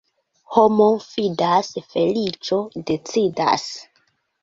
Homo fidas, feliĉo decidas.